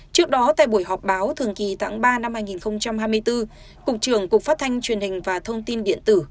trước đó tại buổi họp báo thường kỳ tháng ba năm hai nghìn hai mươi bốn cục trưởng cục phát thanh truyền hình và thông tin điện tử